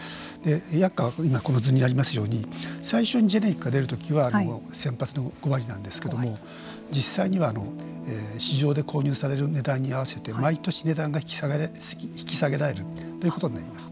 薬価はこの図にありますように最初にジェネリックが出るときは先発の５割なんですけれども実際には、市場で購入される値段に合わせて毎年、値段が引き下げられるということになります。